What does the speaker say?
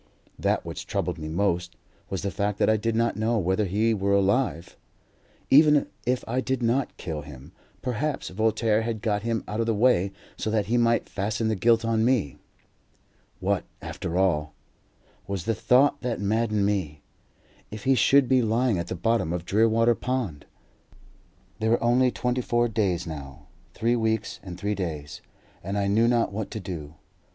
That which troubled me most was the fact that I did not know whether he were alive. Even if I did not kill him, perhaps Voltaire had got him out of the way so that he might fasten the guilt on me. "What, after all," was the thought that maddened me, "if he should be lying at the bottom of Drearwater Pond?" There were only twenty four days now. Three weeks and three days, and I knew not what to do.